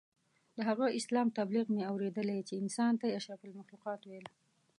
د هغه اسلام تبلیغ مې اورېدلی چې انسان ته یې اشرف المخلوقات ویل.